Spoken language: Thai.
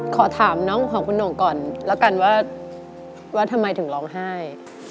ขอถามน้องของคุณหน่งก่อนแล้วกันว่าทำไมถึงร้องไห้